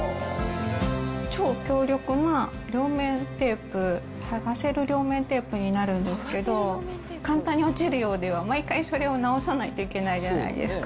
超強力な両面テープ、剥がせる両面テープになるんですけど、簡単に落ちるようでは、毎回それを直さないといけないじゃないですか。